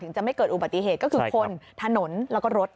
จะไม่เกิดอุบัติเหตุก็คือคนถนนแล้วก็รถ